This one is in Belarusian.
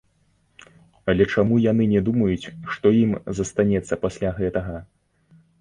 Але чаму яны не думаюць, што ім застанецца пасля гэтага?!